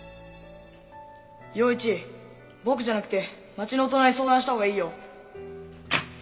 陽一僕じゃなくて町の大人に相談したほうがいいよ。